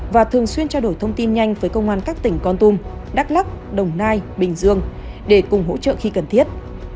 và thường xuyên trao đổi thông tin nhanh với công an các tỉnh con tum đắk lắc đồng nai bình dương để cùng hỗ trợ khi cần thiết